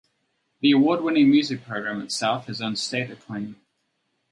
The award-winning music program at South has earned state acclaim.